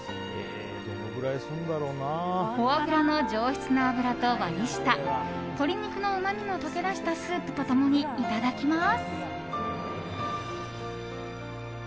フォアグラの上質な脂と割り下鶏肉のうまみも溶け出したスープと共にいただきます。